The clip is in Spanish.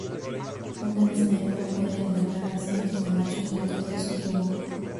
Una misma hembra puede albergar a cientos de machos dentro de su tubo.